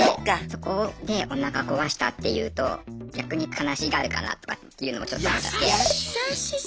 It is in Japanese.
そこでおなか壊したっていうと逆に悲しがるかなとかっていうのもちょっと思っちゃって。